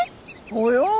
およ。